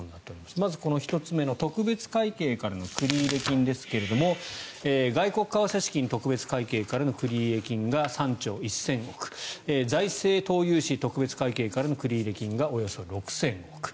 まずこの１つ目の特別会計からの繰入金ですが外国為替資金特別会計からの繰入金が３兆１０００億円財政投融資特別会計からの繰入金がおよそ６０００億円。